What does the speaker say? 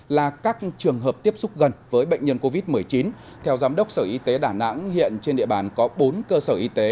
là các trường hợp tiếp xúc gần với bệnh nhân covid một mươi chín theo giám đốc sở y tế đà nẵng hiện trên địa bàn có bốn cơ sở y tế